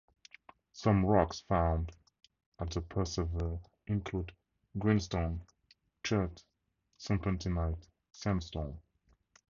Some rocks found at the preserve include: Greenstone, Chert, Serpentinite, Sandstone.